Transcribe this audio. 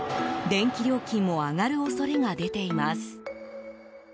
電気料金も上がる恐れが出ています。